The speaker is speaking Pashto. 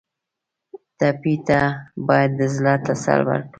ټپي ته باید د زړه تسل ورکړو.